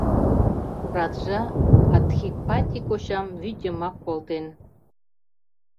Раджа Адхипатти кочам вӱд йымак колтен!